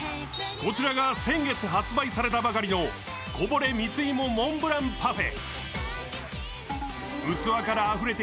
こちらが先月発売されたばかりのこぼれ蜜芋モンブランパフェ。